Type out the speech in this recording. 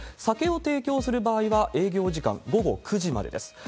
酒を提供する場合は営業時間、午後９時までです。